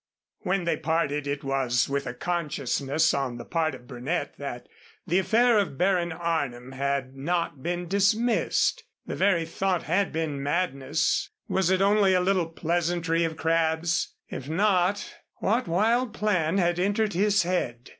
When they parted it was with a consciousness on the part of Burnett that the affair of Baron Arnim had not been dismissed. The very thought had been madness. Was it only a little pleasantry of Crabb's? If not, what wild plan had entered his head?